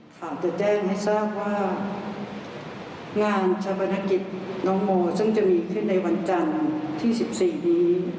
จะแจ้งให้ทราบว่างานชาปนกิจน้องโมซึ่งจะมีขึ้นในวันจันทร์ที่๑๔นี้